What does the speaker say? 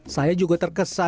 saya juga terkesan bagaimana